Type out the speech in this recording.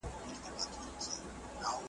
شمع چي لمبه نه سي رڼا نه وي .